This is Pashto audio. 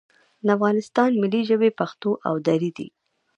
د افغانستان ملي ژبې پښتو او دري دي